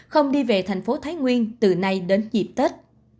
không đi về thành phố thái nguyên từ nay đến dịp tết